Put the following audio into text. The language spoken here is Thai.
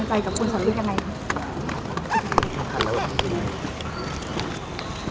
ก็จริงก็ให้กำลังใจพิยุตกันมาโดยตลอดนะคะ